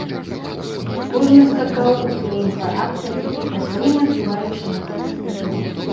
Кожны скакаў у сваім характары і па сваім адбіваючы нагамі.